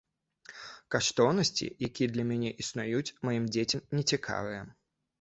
Каштоўнасці, якія для мяне існуюць, маім дзецям нецікавыя.